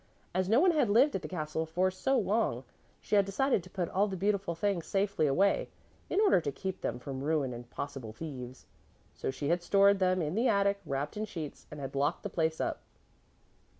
As no one had lived at the castle for so long, she had decided to put all the beautiful things safely away, in order to keep them from ruin and possible thieves. So she had stored them in the attic, wrapped in sheets, and had locked the place up.